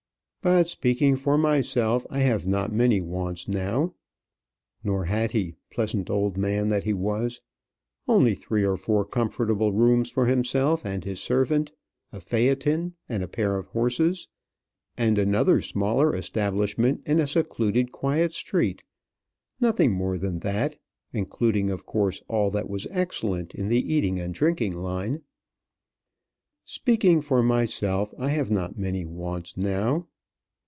"But, speaking for myself, I have not many wants now" nor had he, pleasant old man that he was; only three or four comfortable rooms for himself and his servant; a phaeton and a pair of horses; and another smaller establishment in a secluded quiet street; nothing more than that, including of course all that was excellent in the eating and drinking line "speaking for myself, I have not many wants now."